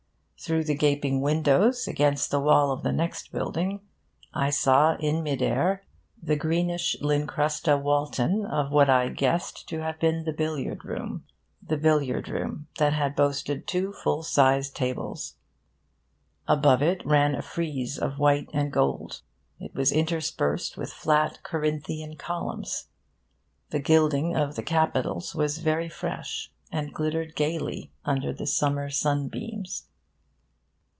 Through the gaping windows, against the wall of the next building, I saw in mid air the greenish Lincrusta Walton of what I guessed to have been the billiard room the billiard room that had boasted two full sized tables. Above it ran a frieze of white and gold. It was interspersed with flat Corinthian columns. The gilding of the capitals was very fresh, and glittered gaily under the summer sunbeams.